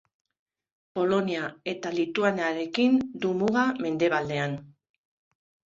Polonia eta Lituaniarekin du muga mendebaldean.